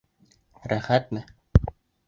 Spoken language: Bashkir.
Рәхәтме?